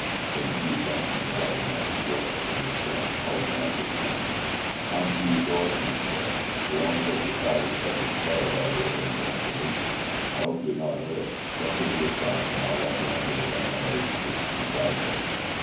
Then Hugh jumped from the waggonette, and walked up to Miss Grant, holding out his hand. "I'm Hugh Gordon," he said. "We only got your father's letter to day, or I would have been down to meet you. I hope you are not hurt. Jump into the trap, and I'll run down to the Donohoes', and get you some dry things."